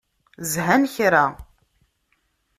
Zhan kra.